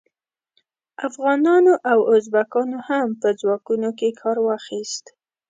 افغانانو او ازبکانو هم په ځواکونو کې کار واخیست.